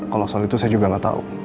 kalau soal itu saya juga gak tau